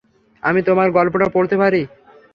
আমি তোমার গল্পটা পড়তে পারি?